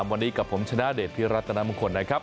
วันนี้กับผมชนะเดชพฤตรครับ